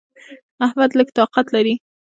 احمد لږ طاقت لري.